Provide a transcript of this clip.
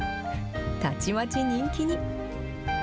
たちまち人気に。